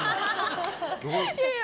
いやいや。